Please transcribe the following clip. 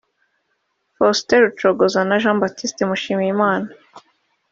Faustin Rucogoza na Jean Baptiste Mushimiyimana